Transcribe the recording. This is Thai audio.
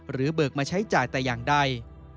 เบิกมาใช้จ่ายแต่อย่างใด